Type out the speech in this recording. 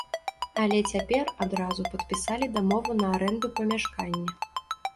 Але цяпер адразу падпісалі дамову на арэнду памяшкання.